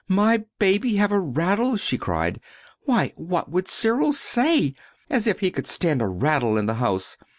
'My baby have a rattle?' she cried. 'Why, what would Cyril say? As if he could stand a rattle in the house!'